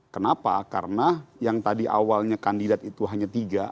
kenapa karena yang tadi awalnya kandidat itu hanya tiga